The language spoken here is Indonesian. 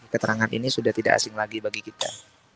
keterangan ini sudah tidak asing lagi bagi kita